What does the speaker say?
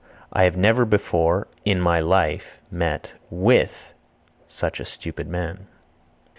I never before (in my life) met (with) such a stupid man.